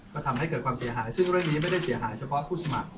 ก็ทำให้เกิดความเสียหายซึ่งเรื่องนี้ไม่ได้เสียหายเฉพาะผู้สมัคร